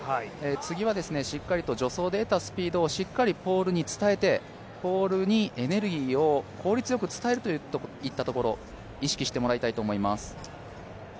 次はしっかりと助走で得たスピードをポールに伝えてポールにエネルギーを効率よく伝えるといったところ意識してもらいたいと思います。